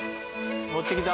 持ってきた。